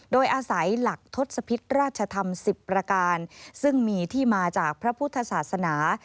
โดยอาศัยหลักทศพิษราชธรรม๑๐ประการซึ่งมีที่มาจากพระพุทธศาสนา